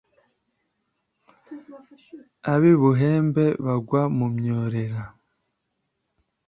ab’i buhembe bagwa mu myorera.